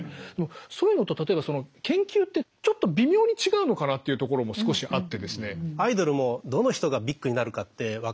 そういうのと例えば研究ってちょっと微妙に違うのかなっていうところも少しあってですね。